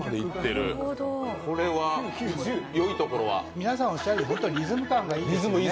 皆さんおっしゃるようにリズム感がいいですね。